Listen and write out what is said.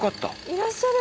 いらっしゃる！